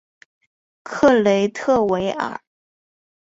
克雷特维尔。